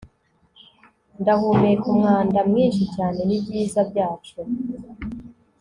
ndahumeka. umwanda mwinshi cyane nibyiza byacu